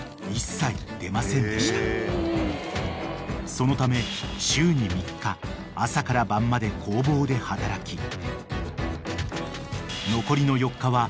［そのため週に３日朝から晩まで工房で働き残りの４日はカラオケ店でアルバイト］